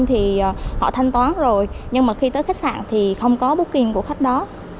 thì họ thanh toán rồi nhưng mà khi tới khách sạn thì không có booking của khách đó